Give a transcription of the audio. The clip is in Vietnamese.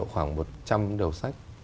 khoảng một trăm linh đầu sách